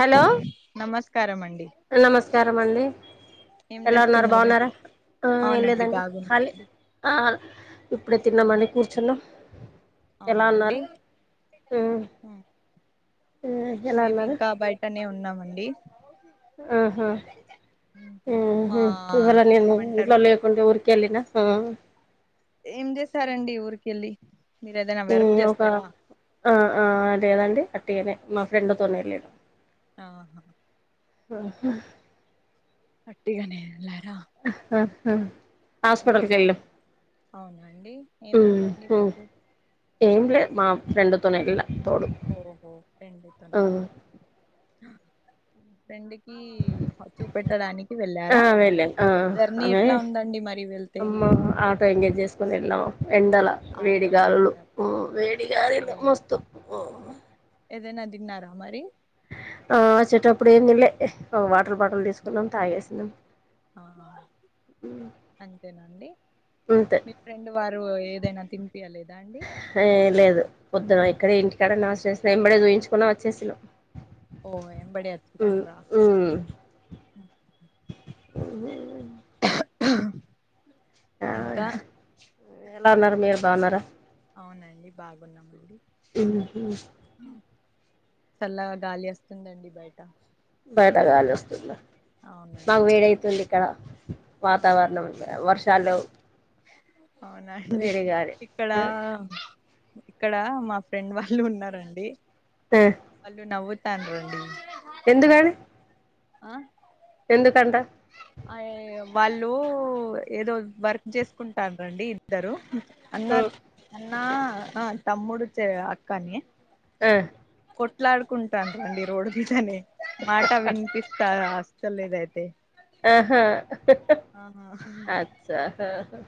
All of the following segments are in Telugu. హలో నమస్కారం అండి నమస్కారం అండి ఏం ఎలా ఉన్నారు చేస్తున్నారు బాగున్నారా ఆ అవునండి ఏయలేదండి హాలీ బాగున్నాండి అ ఇప్పుడే తిన్నామండి కూర్చున్నాం ఎలా అవునా అండి ఉన్నారు మ్ మేము ఇంకా బయటనే ఉన్నామండి ఆహామ్ మా హు ఇవాల నేను ఏమంటారు ఊర్ల లేకుండే ఊర్కి కేళ్ళిన ఆ ఏం చేశారండి ఊరికేళ్లి మ్ ఒక ఆ ఆ లేదండి వట్టిగనే మా ఫ్రెండ్ తోనేళ్లిన ఆహా ఆ ఓహొ వట్టిగానే ఏళ్ళరా ఆహహ అవునండి మ్మ్ ఏమైందండి హ్మ్ మీకు ఏం లే మా ఫ్రెండ్ తో నెళ్ళ ఓహో ఫ్రెండుతోనా ఫ్రెండ్ కి చూపెట్టడానికి ఆ వెళ్ళారా వెళ్ళాను ఆ జర్నీ ఆమె ఎట్లా ఉందండి మరి వెళ్తే అమ్మ ఆటో ఎంగేజ్ చేసుకొని ఎల్లం ఎండల ఆటో ఏం వేడిగాలులు కాదు. మ్ ఓ వేడిగాలులు మస్తు మ్ ఏదైనా తిన్నారా మరి? ఆ ఆచ్చేటప్పుడు ఏం తినలే ఓ వాటర్ బాటిల్ తీసుకున్నాం తాగేసినం. ఆహ అంతేనండి అంతే మీ ఫ్రెండ్ వారు ఏదైనా తినిపియ లేదా అండి? హే లేదు పొద్దున ఇక్కడే ఇంటికాడ నాస్టా చేసిన ఎమ్మటే చూయించుకొని వచ్చేసిన ఓ ఎంబ్డే వచ్చేసిండ్రా ఉమ్ ఉఉఉ అహ ఆ ఎలా ఉన్నారు మీరు బావున్నారా? అవునండి బాగున్నామండి చల్లగా గాలి వస్తుందండి బయట బయట గాలి వస్తుందా, మాకు అవునండి వేడి అయితుంది ఇక్కడ ఆ వాతావరణం ఇక్కడ వర్షాలు అవునా అండి వేడిగాలి ఇక్కడ ఆ ఇక్కడ మా ఫ్రెండ్ వాళ్ళు ఉన్నారండి వాళ్ళు నవ్వుతాండ్రండి. ఎందుగని ఆ ఎందు తంట అయ్యేయో వాళ్ళు ఏదో వర్క్ చేసుకుంటారండి ఇద్దరు. ఆ అన్నా అన్నా నా తమ్ముడు చె అక్కని ఆ కొట్లాడుకుంటాండ్రి ఇ రోడ్ మీదనే మాట వినిపిస్తా అస్ లేదైతే ఆహా హహ అచ్చా హాహా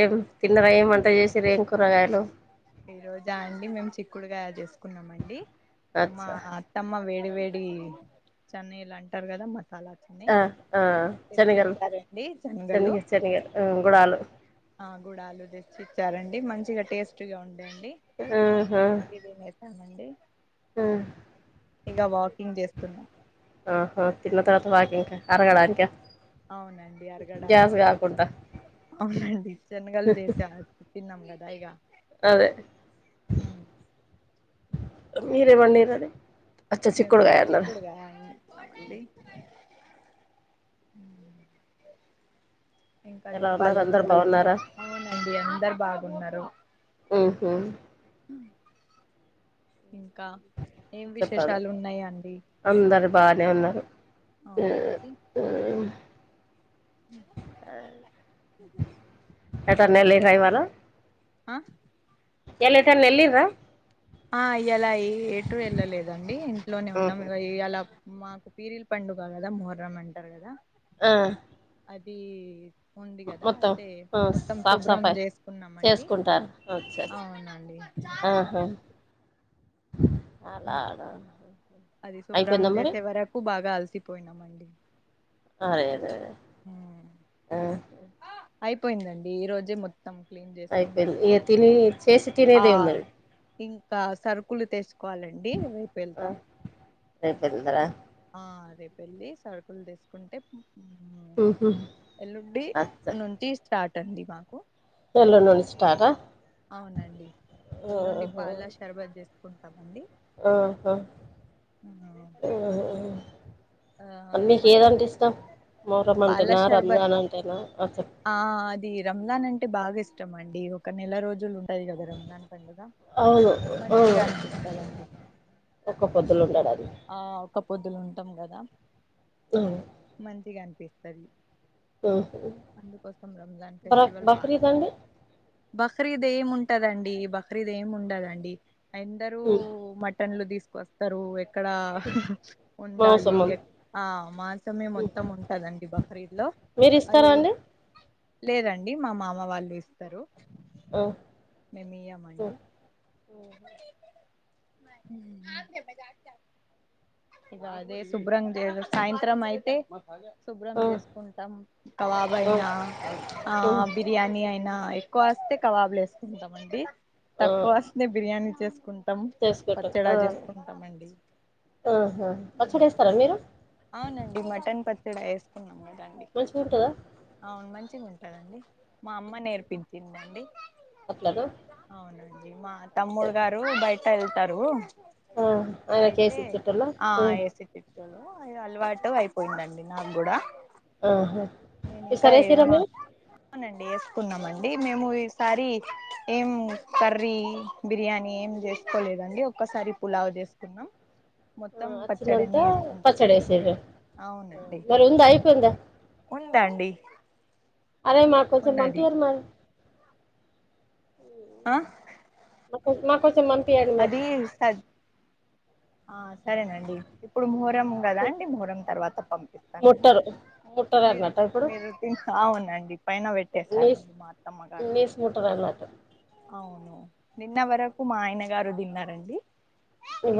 ఏం తిన్నరా ఏం వంట చేసిరి. ఏం కూరగాయలు? ఈ రోజా అండి మేము చిక్కుడుకాయ చేసుకున్నామ అండి మా అచ్చా అత్తమ్మ వేడి నీ వేడి చెన్నైల్ అంటారు కదా మ ఆ ఆ శనగలు ఇచ్చారండి శనగలు శనిగ శనగ ఆ గుడాలు ఆ గుడాలు తెచ్చి ఇచ్చారండి మంచిగా టేస్ట్గా ఉండెండి ఆహా అది తింటామండీ ఆ ఇగ వాకింగ్ చేస్తున్నాం. ఆహా తిన్న తరవాత వాకింగ్ క, అరగడానికా అవునండి గ్యాస్ అరగడానికి కొంచెం కాకుండా అవునండి జన్నగల్ చేశా తిన్నాం కాదం అదే మీరే మన్నీరు అదే మేము చిక్కుడుకాయ వండి అ ఇంకా ఎలా ఉన్నారు చెప్పాలండి అందరు బాగున్నారా అవునండి అందరు బాగున్నారు. ఆహ ఇంకా ఏం చెప్పాలి విశేషాలు ఉన్నాయా అండి? అందరు బానే ఉన్నారు ఊ అవునాండి ఊ [inaudible] న్నాలేెకాయి వాళ ఆ ఇల్ ఎటన్న ఎల్లిరా? ఆ ఇయాల ఎటూ వెళ్ళలేదండి ఇంట్లోనే ఉన్నాం ఉహు ఇ ఇ అలా మాకు పీరిల్ పండుగ కదా మహ్రం అంటారు కదా ఆ అది ఉంది కదా మొత్తం అయితే ఆ మొత్తం సాఫ్ శుభ్రం సఫాయి చేసుకున్నామండి చేసుకుంటారు అచ్చ అవునండి ఆహా అలానా అది శుభ్రం అయిపోయిందా మరి చేసే వరకు బాగా అలసిపోయినామండి అరేదే ఆ అయిపోయిందండి ఈ రోజే మొత్తం క్లీన్ అయిపోది చేసుకున్నామండి తిని చేసి ఆ తినేదే ఉందడి ఇంకా సరుకులు తెచ్చుకోవాలండి రేపు వెళ్తాం రేపు వెళ్తారా ఆ రేప వెళ్ళి సరుకులు తీసుకుంటే ఉహు ఎల్లుండి నుంచి స్టార్ట్ అంది మాకు ఎల్లండ్ నుండి స్టార్ట్ ఆ అవునండి ఎల్లుండి పాలా షర్బత్ చేసుకుంటాండి ఆహా అవు మ మీకి ఏదంటే ఇష్టం మోరం పాల అంటేనా షర్బత్ రంజాన్ అంటేనా అస్ ఆ అది రంజాన్ అంటే బాగా ఇష్టం అండి ఒక నెల రోజులుంట టాది కదా రందాన్ పండుగ అవును అవును మంచిగా అనిపిస్తుందండి ఒక్క పొద్దులు ఉంటారా ఆ ఒక పొద్దులు ఉంటాం కదా అవును మంచిగా అనిపిస్తది ఆహా అందుకోసం రంజాన్ మరి ఫెస్టివల్ బాగా బక్రీద్ అండి బక్రీద్ ఏమి ఉంటదండి బక్రీద్ ఏమి ఉండదండి అందరరూ మటన్లు తీసు వస్తారు ఇక్కడ వండాలి మాంసం ఉంది ఆ మాసమే మొత్తం ఉంటదండి బక్రీద్ లో మీరు అది ఇస్తారా అండి లేదండి మా మామ వాళ్ళు ఇస్తారు ఓ మేము ఇయ్యమండి [inaudible] అదే సుబ్రం దేవ సాయంత్రం అయితే శుభ్రం ఆ చేసుకుంటాం కవాబ ఆ అయినా ఆ బిర్యానీ అయినా ఎక్కువ వస్తే కవాబులు వేసుకుంటామండి ఆ తక్కువస్త బిర్యానీ చేసుకుంట చేసుకుంటాం పచ్చడా ఆ చేస్తుంటామ అండి ఆహా పచ్చడి వేస్తారా మీరు అవునండి మటన్ పచ్చడా వేసుకున్నాము మంచిగా ఉంటదా మా అమ్మ నేర్పించిందండి అట్లనా అవునండి మా అచ్చ అచ్చ. తమ్ముడుగారు బయట వెళ్తారు ఆ ఆయన కేసి అయితే ఇచ్చేటోళ్ళ ఆ ఎసి తీపుతాడు అ అలవాటు అయిపోయిందండి నాకు కూడా ఆహా నేను ఇంకా ఈసారి వేసిర్రా ఏమ మీరు అవునండి వేసుకున్నామండి మేము ఈసారి ఏం కర్రీ బిర్యానీ ఏం చేసుకోలేదండి ఒక్కసారి పులావ చేసుకున్నాం మొత్తం పచ్చడనే ఎస్ పచ్చడే సిర్రు మరి ఉంద అయిపోఇంద ఉందండి అరే మా కొంచం ఉన్నది పంపియండి మర్ ఆ మా కొంచెం పం అది స ఆ సరేనండి ఇప్పుడు మూర్ ం కదా అండి మెహరం తర్వాత పంపిస్తానండి ముట్టరు ముట్టరు మీర్ అన్నట్ట ఇప్పుడు మీరు అవును పైన నీస్ పెట్టేశారండి మా అత్తమ్మ గారు నీస్ ముట్టరు అన్నట్టు అవును నిన్న వరకు మా ఆయన గారు తిన్నారండి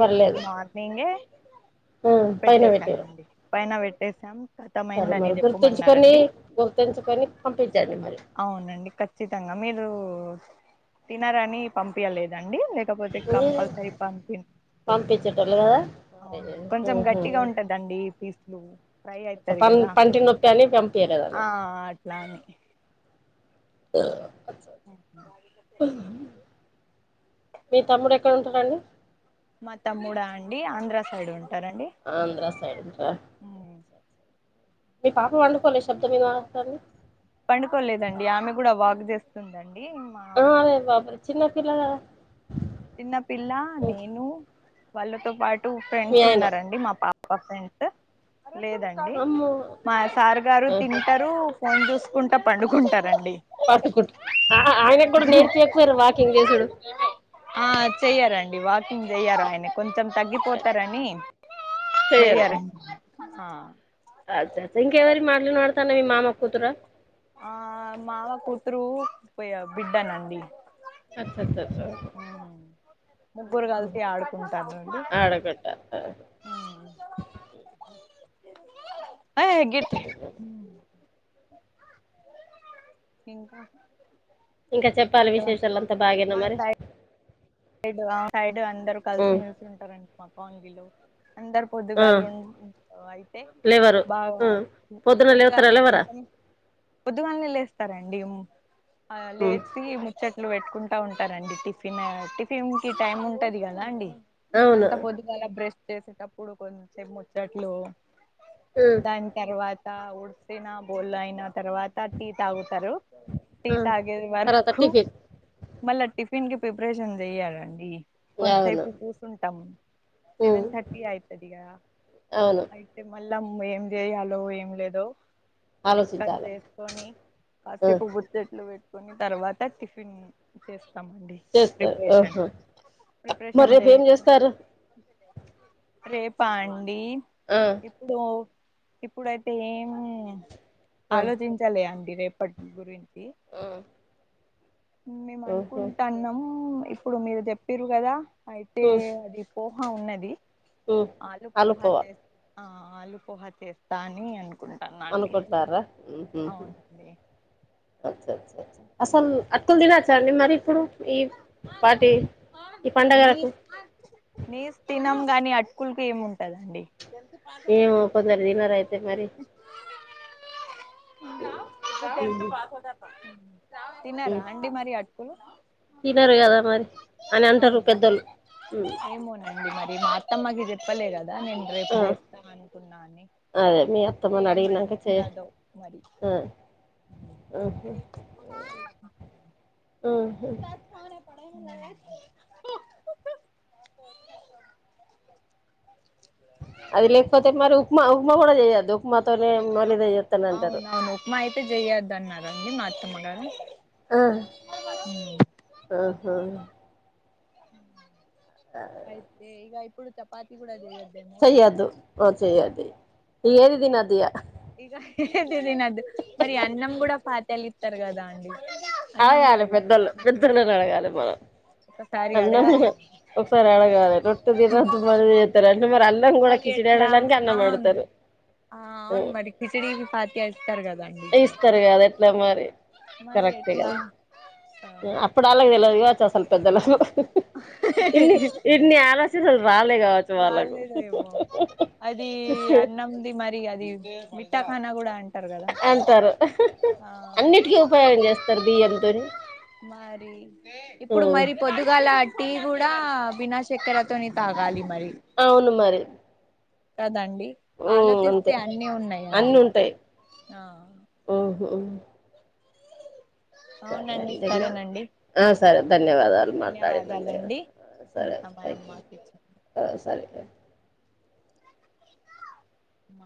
ఈ రోజు మార్నింగే పైన పెట్టారు పెట్టసామండి పైన పెట్టేసాం సరే కతమైందని మరి గుర్తుంచుకొని చెప్పమన్నారండి గుర్తుంచుకొని పంపించండి మరి అవునండి ఖచ్చితంగా మీరు తినరని పంపించలేదండి లేకపోతే కంపల్సరీ పంపిస్తుండే పంపించేటోళ్ళు కదా సరే అవును కొంచెం గట్టిగా ఉంటందండి పీస్లు ఫ్రై కొంచం అయితది పన్ కదా పంటి నొప్పని పంపియలేదన ఆ అట్లా అని ఆ అ మీ తమ్ముడు ఎక్కడ ఉంటాడండి మ తమ్ముడా అండి ఆంధ్ర సైడ్ ఉం ఆంధ్ర సైడ్ ఉంట్రా ఉమ్. వినపడుతుంది పండుకోలేదండి ఆమె కూడా వాక్ చేస్తుందండి మా ఆమే బాపురే చిన్న పిల్లలగ చిన్న పిల్ల నేను వాళ్ళతో పాటు మీ ఫ్రెండ్స్ ఆయన ఉన్నారండి మా పా డ్స్ లేదండి అమ్మో మా సార్ గారు తింటారు ఫోన్ చూసుకుంట పండుకుంటారండి పట్టుకుంటు అహ ఆయన కూడా నేర్పి యకపోయిర్రు వాకింగ్ చేసుడు ఆ చెయ్యారండి వాకింగ్ చెయ్యారయన కొంచెం తగ్గిపోతారని చేయ్యలీ అ అదదే ఇంకేవరి మటలు వినపడుతనై మీ మామ కూతుర ఆ మావ కూతురు ప్ బిడ్డ నండి అచ్చఅచ్చ అచ్చ ముగ్గురు అచ్చ కలిసి ఆడుకుంటారండి ఆడకుంట ఆ గతే ఇంకా ఇంకా చెప్పాలి ఇక విశేషాలు అంతా బాగేనా మా మరి సైడ్ సైడ్ ఆ సైడ్ అందరు ఉమ్ కలిసిమెెలిసి ఉంటారండి మా కాల్నిలో అందరు ఆ పొద్దుగాళ్ ఉ అయితే లేవరు బాగ్ ఉమ్ పొద్దున పోద్దుగాళ లేవుతారా లేవరా నుంచొని పొద్దుగాల్నే లేస్తారండి ఆ ఉమ్ లేచి ముచ్చట్లు పెట్టుకుంటూ ఉంటారండి టిఫిన్ టిఫిన్కి టైం ఉంటది కదా అండి అవును అంత పొద్దుగాలా బ్రష్ చేసేటప్పుడు కొంచెప్ ముచ్చట్లు ఉమ్ దాని తర్వాత ఊడ్చినా బోల్యినా తర్వాత టీ తాగుతారు టీ ఆ తాగే తర్వాత వరకు టిఫిన్ మళ్ళా టిఫిన్ కి ప్రిపరేషన్ చెయ్యాలండి అవును కొంతసేపు కూర్చుంటాము ఉమ్ సెవెన్ థర్టీ అవుతుంది కద అవును మళ్ళం ఏం చేయాలో ఏం లేదో డిస్కస్ ఆలోచించాలి చేసుకొని ఆ కాసేపు ముచ్చట్లు పేట్ కొన్ని తర్వాత టిఫిన్ చేస్తామండి ప్రిపరేషన్ ఓహో మరి ప్రిపరేషన్ రేపు ఏం చేసిన చేస్తారు రేపా అండి ఆ ఇప్పుడు ఇప్పుడైతే ఏమి ఆ ఆలోచించాలె అండి రేపటి గురించి ఆ మేము ఆహా అనుకుంటాన్నాము ఇప్పుడు మీరు చెప్పిరు కదా అయితే ఉమ్ అది పోహ ఉన్నది ఉమ్ ఆలు పోహ అలుపువ చే ఆ ఆలుపోహ చేస్తాని అను అనుకుంటారా ఊహ్మ్ అవునండి అచ్చ అచ్చ అచ్చ అసలు అటుకులు తినచ్చాండి మరి ఇప్పుడు ఈ పాటి ఈ నీ పండగలకు నీస్ తినం గాని అట్కులకి ఏముంటదండి ఏమో కొందరు దీనరు అయితే మరి నువ్వు టెన్త్ ఉహు. పాస్ అవుత తన్నారా హ్మ్. అండీ మరి ఆట్కులు తినరు కదా మరి అని అంటారు పెద్దలు ది మా అత్తమ్మకి చెప్పలే కదా నేను రేపు ఆ చేస్తాను అనుకున్నా అని అదే మీ అత్తమ చెప్తే అడిగినంక చెే ఏమంటదో మరి ఆ ఊహ్మ్ హ్మ్ అది లేకపోతే మరి ఉప్మా ఉప్మా కూడ చేయదు అవున అవును ఉప్మా అయితే చెయొద్ద అన్నారండి మా అత్తమగారు ఆ ఆహా అయితే ఈగ ఇప్పుడు చపాతి కూడా చేయరు చేయాద్దు ఆ చేయద్దు ఏదితినాదిగా ఇక ఏది తినద్దు మరి అన్నం కూడా పాతలి ఇస్తారు కదా అండి అన్నం కూడా అడగాలి తినద్దా పెద్దళ్లు అండి పెద్దొళ్లని అడగాలి మనం ఒకసారి అన్నం అడగాలి ఒకసారి అడగాలి రొట్టి దినదు మనతారు అంట మరి అన్నం కూడా మరి కిచిడి ఎట్లా ఆడలనికి అవును అన్నమోడుతారు ఆ అవును మరి కిచిడికి పాతి వస్తారు కదండి ఇస్తారు కదా ఎట్లా మరి మరి ఎట్లా కరెక్టే కదా అప్పుడు అలాకీ తెలవదుకావచ్చు అసలు పెద్దలకు ఇన్ని ఇన్ని ఆలోచ రాలేదు ఏమో అది అన్నంది మరిగాది మిట్టాఖానా కూడా అం అంటారు అన్నిటికీ ఉపాయోగం చేస్తారు బియ్యంతోని మరి ఇప్పుడు మరి పొద్దుగాల టి కూడా బినాశక్కెరతోని తాగాలి మరి అవును మరి కదండి ఆలోచిస్తే అంతే అన్ని అన్ని ఉన్నాయండి ఆ ఓ సరే అవునండి అండి మరి సరేనండి ఆ సరే ధన్యవాదాలు మాట్లాడినందుకు ధన్యవాదాలండి మీ సరే సమయం త్యాంక్ యూ మాకు ఇచ్చినందుకు ఆ సరే ఉ